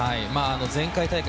前回大会